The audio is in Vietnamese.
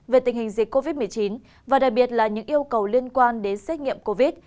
về tình hình dịch covid một mươi chín và đặc biệt là những yêu cầu liên quan đến xét nghiệm covid